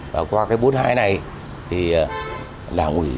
và qua cái bốn mươi hai này thì đảng ủy